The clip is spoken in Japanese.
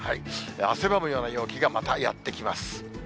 汗ばむような陽気が、またやって来ます。